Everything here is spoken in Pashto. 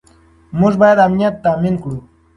موږ باید امنیت تامین کړو.